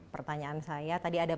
pertanyaan saya tadi ada